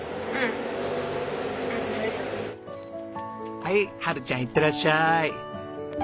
はい遥ちゃんいってらっしゃい。